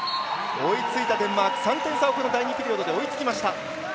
追いついたデンマーク３点差、第２ピリオドで追いつきました。